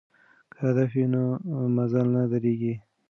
که هدف وي نو مزل نه دریږي.